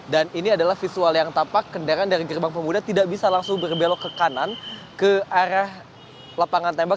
dan ini adalah visual yang tampak kendaraan dari gerbang pemuda tidak bisa langsung berbelok ke kanan ke arah lapangan tembak